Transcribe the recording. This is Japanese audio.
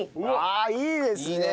ああいいですね。